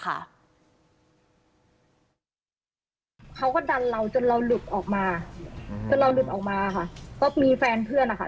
เขาก็ดันเราจนเราหลุดออกมาจนเราหลุดออกมาค่ะก็มีแฟนเพื่อนนะคะ